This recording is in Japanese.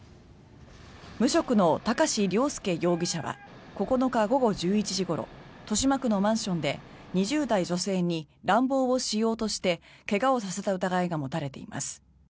無職の高師良介容疑者は９日午後１１時ごろ豊島区のマンションで２０代女性に乱暴をしようとして怪我をさせた疑いが持たれています。